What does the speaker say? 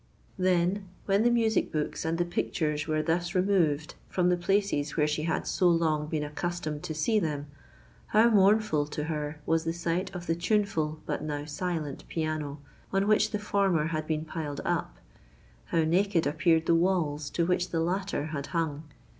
Then, when the music books and the pictures were thus removed from the places where she had so long been accustomed to see them, how mournful to her was the sight of the tuneful, but now silent piano on which the former had been piled up—how naked appeared the walls to which the latter had hung!